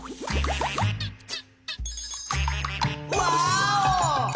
ワーオ！